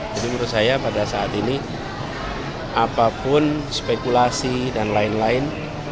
jadi menurut saya pada saat ini apapun spekulasi dan lain lain